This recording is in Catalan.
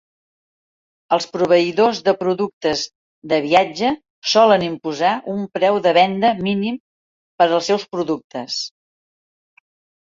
Els proveïdors de productes de viatge solen imposar un preu de venda mínim per als seus productes.